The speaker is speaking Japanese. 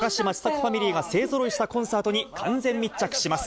ファミリーが勢ぞろいしたコンサートに完全密着します。